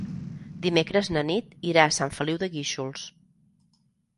Dimecres na Nit irà a Sant Feliu de Guíxols.